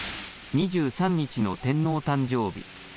２３日の天皇誕生日。